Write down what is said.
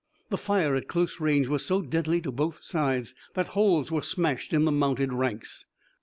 The fire at close range was so deadly to both sides that holes were smashed in the mounted ranks.